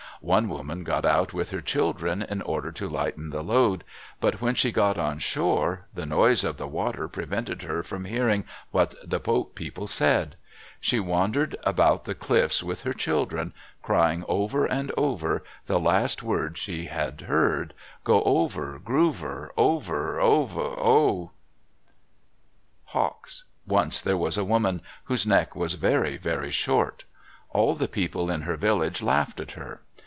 One woman got out with her children in order to lighten the load, but when she got on shore, the noise of the water prevented her from hearing what the boat people said. She wandered around the cliffs with her children, crying over and over, the last word she heard, "Go over, goover, over, ove, oh—" Hawks.—Once there was a woman whose neck was very, very short. All the people in her village laughed at her.